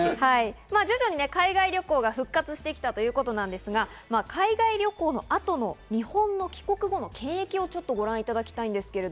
徐々に海外旅行が復活してきたということなんですが、海外旅行の後の日本の帰国後の検疫をご覧いただきます。